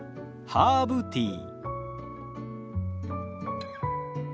ハーブティー。